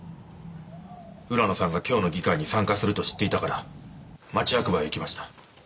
浦野さんが今日の議会に参加すると知っていたから町役場へ行きました。